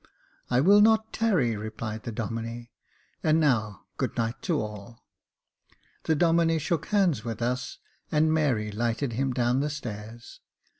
" I will not tarry," replied the Domine :" and now good night to all." The Domine shook hands with us, and Mary lighted him down stairs.